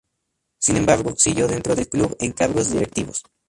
Sin embargo siguió dentro del club en cargos directivos.